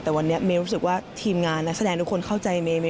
แต่วันนี้เมย์รู้สึกว่าทีมงานนักแสดงทุกคนเข้าใจเมย